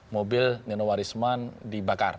mobil nino warisman dibakar